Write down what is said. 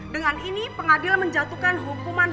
dengan ini pengadilan menjatuhkan hukuman